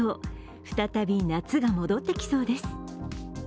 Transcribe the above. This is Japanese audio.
再び夏が戻ってきそうです。